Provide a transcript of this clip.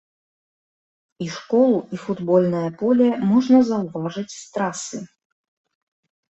І школу, і футбольнае поле можна заўважыць з трасы.